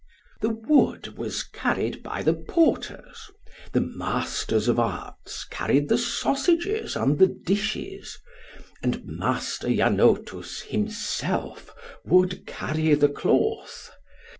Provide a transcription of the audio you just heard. The wood was carried by the porters, the masters of arts carried the sausages and the dishes, and Master Janotus himself would carry the cloth.